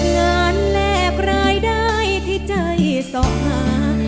แลกรายได้ที่ใจสอหา